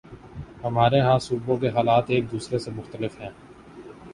ہمارے ہاں صوبوں کے حالات ایک دوسرے سے مختلف ہیں۔